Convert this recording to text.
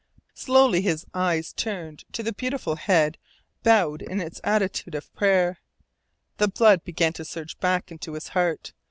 Slowly his eyes turned to the beautiful head bowed in its attitude of prayer. The blood began to surge back into his heart.